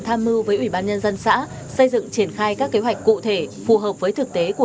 tham mưu với ủy ban nhân dân xã xây dựng triển khai các kế hoạch cụ thể phù hợp với thực tế của